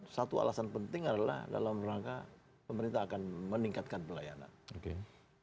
satu alasan penting adalah dalam rangka pemerintah akan meningkatkan pelayanan